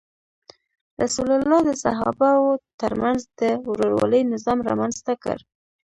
رسول الله د صحابه وو تر منځ د ورورولۍ نظام رامنځته کړ.